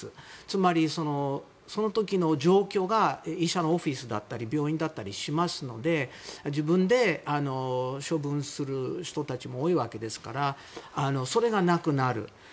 つまり、その時の状況が医者のオフィスだったり病院だったりしますので自分で処分する人たちも多いわけですからそれがなくなる。